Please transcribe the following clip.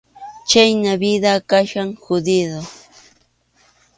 Chhayna vida kachkan jodido.